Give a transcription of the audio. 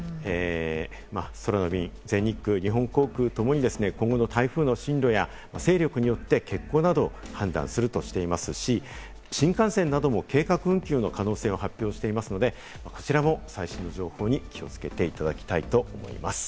空の便は全日空、日本航空ともに今後の台風の進路や、勢力によって欠航などを判断するとしていますし、新幹線なども計画運休の可能性を発表していますので、こちらも最新の情報に気をつけていただきたいと思います。